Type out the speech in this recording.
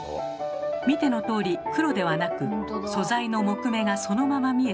見てのとおり黒ではなく素材の木目がそのまま見えています。